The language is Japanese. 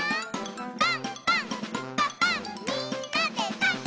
「パンパンんパパンみんなでパン！」